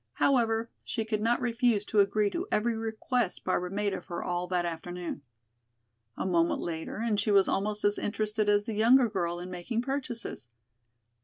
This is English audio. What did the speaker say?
However, she could not refuse to agree to every request Barbara made of her all that afternoon. A moment later and she was almost as interested as the younger girl in making purchases.